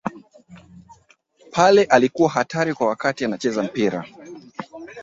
pele alikuwa hatari wakati anacheza mpira